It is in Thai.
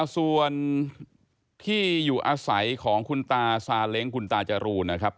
ส่วนที่อยู่อาศัยของคุณตาซาเล้งคุณตาจรูนนะครับ